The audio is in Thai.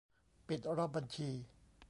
ปิดรอบบัญชี